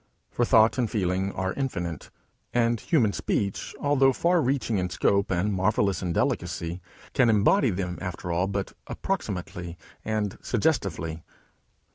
For thought and feeling are infinite, and human speech, although far reaching in scope, and marvellous in delicacy, can embody them after all but approximately and suggestively.